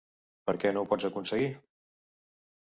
Per què no ho pots aconseguir?